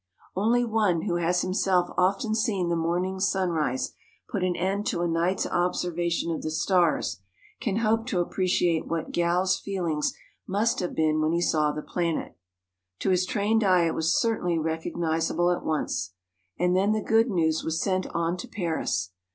Only one who has himself often seen the morning's sunrise put an end to a night's observation of the stars can hope to appreciate what Galle's feelings must have been when he saw the planet. To his trained eye it was certainly recognizable at once. And then the good news was sent on to Paris.